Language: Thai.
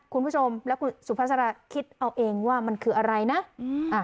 คุณผู้ชมและคุณสุภาษาราคิดเอาเองว่ามันคืออะไรนะ